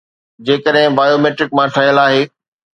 جيڪڏهن بايوميٽرڪ مان ٺهيل آهي